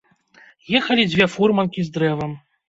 Ехалі дзве фурманкі з дрэвам.